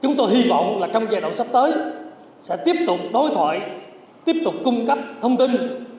chúng tôi hy vọng là trong giai đoạn sắp tới sẽ tiếp tục đối thoại tiếp tục cung cấp thông tin